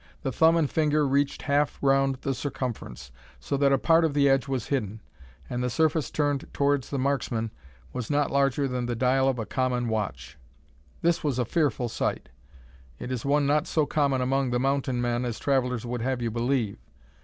The thumb and finger reached half round the circumference, so that a part of the edge was hidden; and the surface turned towards the marksman was not larger than the dial of a common watch. This was a fearful sight. It is one not so common among the mountain men as travellers would have you believe.